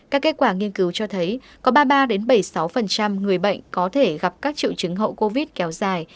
các kết quả nghiên cứu cho thấy có ba mươi ba bảy mươi sáu người bệnh có thể gặp các triệu chứng hậu covid kéo dài